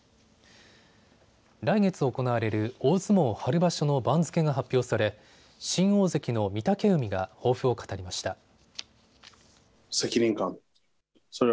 来月行われる大相撲春場所の番付が発表され新大関の御嶽海が抱負を語りました。